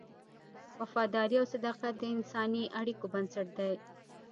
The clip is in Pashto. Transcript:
وفاداري او صداقت د انساني اړیکو بنسټ دی.